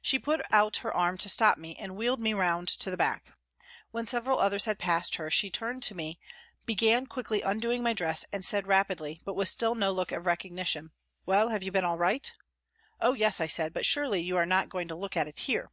She put out her arm to stop me and wheeled me round to the back. When several others had passed her she turned to me, began quickly undoing my dress and said rapidly, but with still no look of recognition :" Well, have you been all right ?"" Oh, yes," I said, " but surely you are not going to look at it here